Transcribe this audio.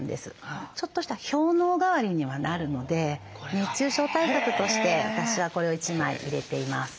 ちょっとした氷のう代わりにはなるので熱中症対策として私はこれを１枚入れています。